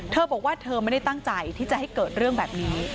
เธอบอกว่าเธอไม่ได้ตั้งใจที่จะให้เกิดเรื่องแบบนี้